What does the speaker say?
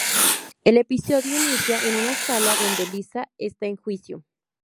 El episodio inicia en una sala donde Lisa está en juicio.